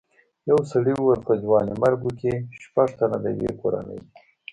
یو سړي وویل په ځوانیمرګو کې شپږ تنه د یوې کورنۍ دي.